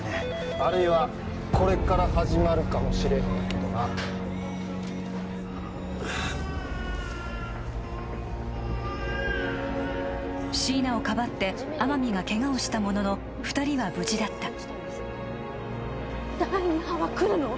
あるいはこれから始まるかもしれへんけどな椎名をかばって天海がけがをしたものの２人は無事だった第二波は来るの？